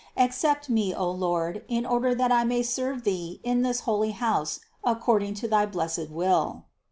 Accept me, O Lord, in order that I may serve Tboe in this holy house according to thy blessed will."